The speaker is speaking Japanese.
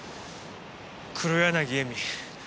黒柳恵美